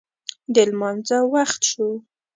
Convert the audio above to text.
د لمانځه وخت شو